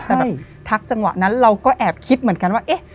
แต่แบบทักจังหวะนั้นเราก็แอบคิดเหมือนกันว่าเอ๊ะ